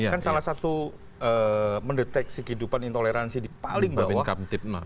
kan salah satu mendeteksi kehidupan intoleransi di paling bawah kamtip